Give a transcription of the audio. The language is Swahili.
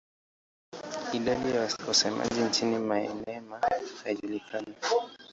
Idadi ya wasemaji nchini Myanmar haijulikani.